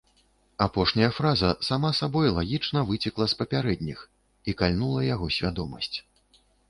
Апошняя фраза сама сабой лагічна выцекла з папярэдніх і кальнула яго свядомасць.